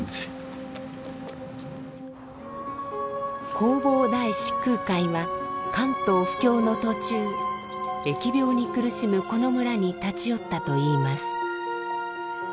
弘法大師・空海は関東布教の途中疫病に苦しむこの村に立ち寄ったといいます。